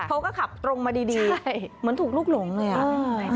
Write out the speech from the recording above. เขาก็ขับตรงมาดีดีเหมือนถูกลุกหลงเลยอ่ะ